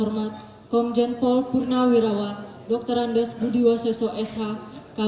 waalaikumsalam warahmatullahi wabarakatuh